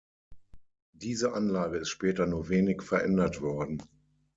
Diese Anlage ist später nur wenig verändert worden.